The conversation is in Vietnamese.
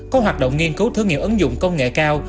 có hoạt động nghiên cứu thử nghiệm ứng dụng công nghệ cao